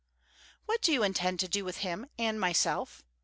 "What do you intend to do with him and myself?"